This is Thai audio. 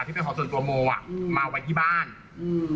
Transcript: ที่เป็นของส่วนตัวโมอ่ะอืมมาไว้ที่บ้านอืม